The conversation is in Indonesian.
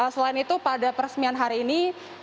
selain itu pada peresmian hari ini